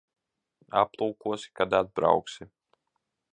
Aplūkosi, kad atbrauksi.